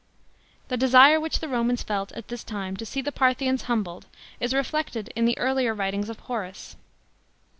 The desire which the Romans felt at this time to see the Parthians humbled is reflected in the earlier writings of Horace.